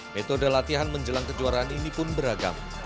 metode latihan menjelang kejuaraan ini pun beragam